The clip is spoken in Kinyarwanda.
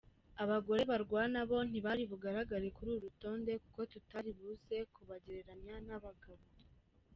Abagore barwana bo ntibari bugaragare kuri uru rutonde kuko tutari buze kubagereranya n’abagabo.